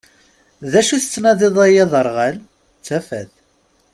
D acu i tettnadi-ḍ ay aderɣal? D tafat.